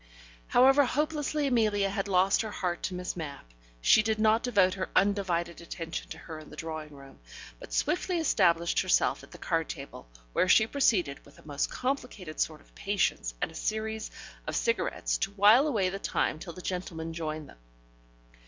However hopelessly Amelia had lost her heart to Miss Mapp, she did not devote her undivided attention to her in the drawing room, but swiftly established herself at the card table, where she proceeded, with a most complicated sort of Patience and a series of cigarettes, to while away the time till the gentlemen joined them.